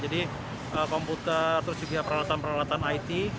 jadi komputer terus juga peralatan peralatan it